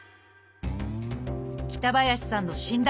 北林さんの診断